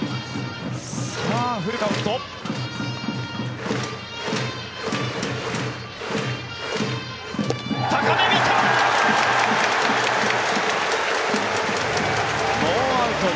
さあ、フルカウント。